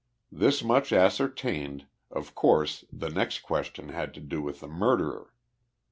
This much ascertained, of course, the next question had to do with the murderer.